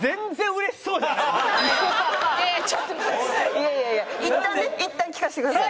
いやいやいやいったんねいったん聞かせてください。